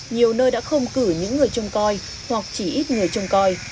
nhiều nơi đã không cử những người trông coi hoặc chỉ ít người trông coi